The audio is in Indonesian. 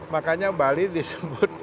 makanya bali disebut